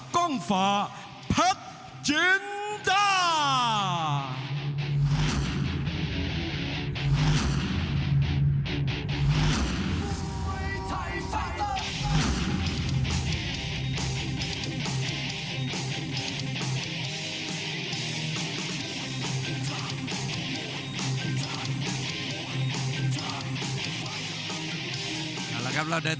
เบ้นสยามจอร์ชัยวัฒน์